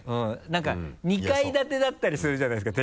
なんか２階建てだったりするじゃないですか